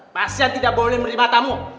pasien tidak boleh menerima tamu